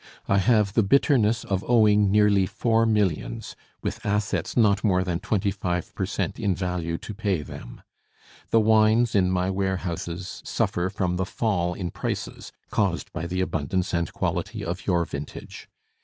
I have the bitterness of owing nearly four millions, with assets not more than twenty five per cent in value to pay them. The wines in my warehouses suffer from the fall in prices caused by the abundance and quality of your vintage.